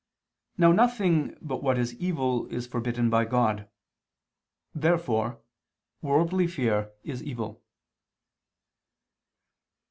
Now nothing but what is evil is forbidden by God. Therefore worldly fear is evil.